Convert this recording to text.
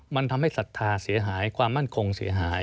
มันทำให้ศรัทธาเสียหายความมั่นคงเสียหาย